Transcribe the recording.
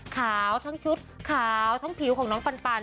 ทั้งชุดขาวทั้งผิวของน้องปัน